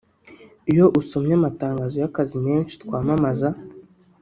Iyo usomye amatangazo y’akazi menshi twamamaza